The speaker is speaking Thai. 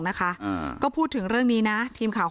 ไม่อยากให้มองแบบนั้นจบดราม่าสักทีได้ไหม